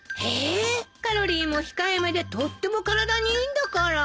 カロリーも控えめでとっても体にいいんだから。